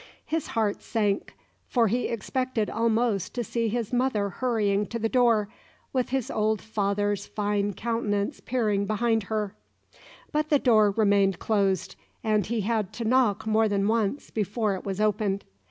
His heart sank, for he expected almost to see his mother hurrying to the door, with his old father's fine countenance peering behind her; but the door remained closed, and he had to knock more than once before it was opened.